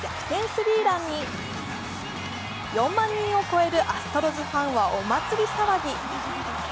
スリーランに４万人を超えるアストロズファンはお祭り騒ぎ。